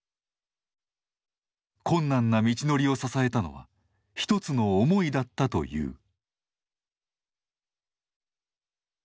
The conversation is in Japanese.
困難な道のりを支えたのは一つの思いだったという。